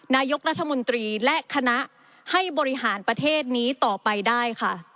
นายกรัฐมนตรีและคณะให้บริหารประเทศนี้ต่อไปได้ค่ะ